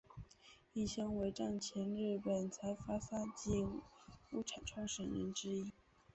义兄为战前日本财阀三井物产创始人之一。